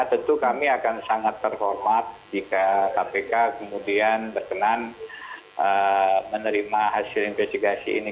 tentu kami akan sangat terhormat jika kpk kemudian berkenan menerima hasil investigasi ini